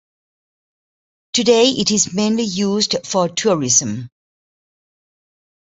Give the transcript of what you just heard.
Today it is mainly used for tourism.